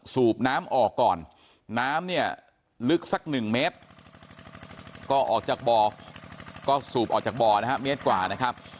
สูบน้ำออกก่อนน้ำเนี่ยลึกสักหนึ่งเมตรก็ออกจากบ่อก็สูบออกจากบ่อนะฮะเมตรกว่านะครับ